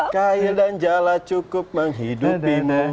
kaya dan jala cukup menghidupimu